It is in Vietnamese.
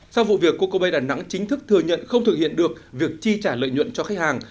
sau vụ việc côco bay đà nẵng chính thức thừa nhận không thực hiện được việc chi trả lợi nhuận cho khách hàng